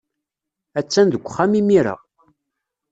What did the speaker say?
Attan deg uxxam imir-a.